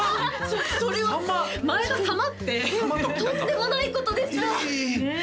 「前田様」ってとんでもないことですねえ